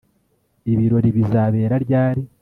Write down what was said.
Ibirori bizabera ryari